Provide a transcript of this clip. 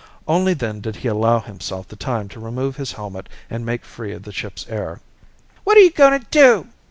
Only then did he allow himself the time to remove his helmet and make free of the ship's air. "What are you going to do?"